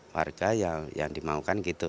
warga yang dimaukan gitu